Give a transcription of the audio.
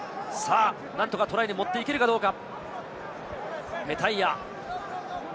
何とかトライに持っていけるかどうか。